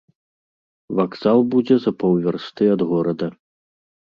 Вакзал будзе за паўвярсты ад горада.